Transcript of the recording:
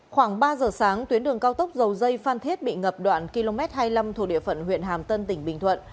khoảng ba giờ sáng tuyến đường cao tốc dầu dây phan thiết bị ngập đoạn km hai mươi năm thuộc địa phận huyện hàm tân tỉnh bình thuận